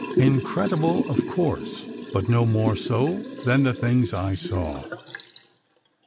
Incredible, of course, but no more so than the things I saw."